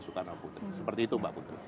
soekarno putri seperti itu mbak putri